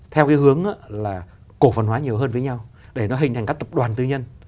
theo cái hướng là cổ phần hóa nhiều hơn với nhau để nó hình thành các tập đoàn tư nhân